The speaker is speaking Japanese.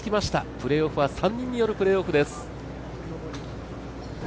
プレーオフは３人によるプレーオフです。